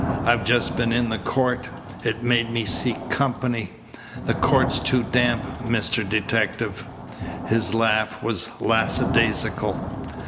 "I've just been in the court. It made me seek company. That court's too damp, Mr. Detective." His laugh was lackadaisical.